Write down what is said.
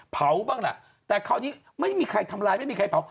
เผาบ้างล่ะแต่คราวนี้ไม่มีใครทำร้ายไม่มีใครเผา